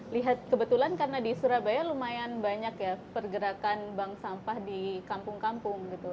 lihat kebetulan karena di surabaya lumayan banyak ya pergerakan bank sampah di kampung kampung gitu